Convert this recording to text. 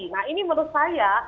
nah ini menurut saya